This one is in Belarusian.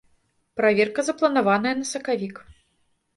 Праверка запланаваная на сакавік.